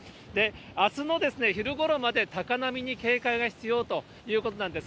あすの昼ごろまで高波に警戒が必要ということなんです。